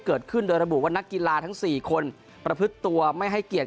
เกิดขึ้นโดยระบุว่านักกีฬาทั้ง๔คนประพฤติตัวไม่ให้เกียรติ